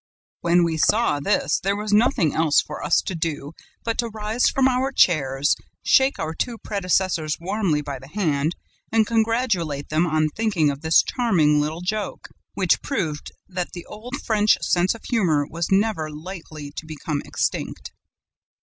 "When we saw this, there was nothing else for us to do but to rise from our chairs, shake our two predecessors warmly by the hand and congratulate them on thinking of this charming little joke, which proved that the old French sense of humor was never likely to become extinct.